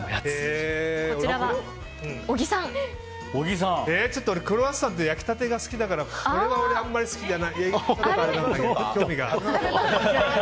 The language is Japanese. えー、俺、クロワッサンって焼きたてが好きだからこれは俺、あんまり好きじゃない。